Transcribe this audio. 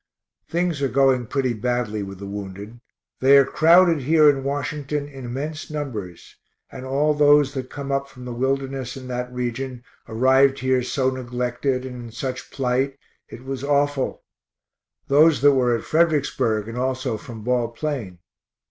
Things are going pretty badly with the wounded. They are crowded here in Washington in immense numbers, and all those that come up from the Wilderness and that region, arrived here so neglected, and in such plight, it was awful (those that were at Fredericksburg and also from Ball Plain).